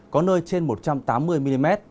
có nơi trên một trăm tám mươi mm